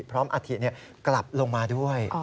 เพราะอัฐิกลับลงมาด้วย